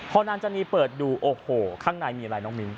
พอนางจานีเปิดดูโอ้โหข้างในมีอะไรน้องมิ้น